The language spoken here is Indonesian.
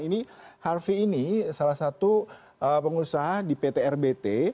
ini harvey ini salah satu pengusaha di pt rbt